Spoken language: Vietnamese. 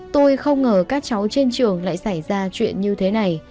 tôi không ngờ các cháu trên trường lại xảy ra chuyện như thế này